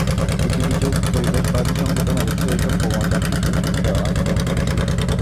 কিছু কিছু পরিবেশবাদী সংগঠন অবশ্য এসব প্রবণতার বিরোধিতা করছে, আন্দোলন করছে।